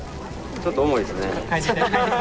ちょっと重いですね。